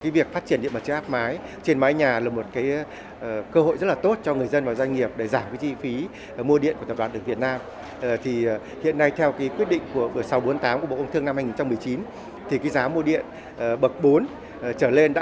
việc phát triển điện mặt trời áp mái trên mái nhà là một cơ hội rất tốt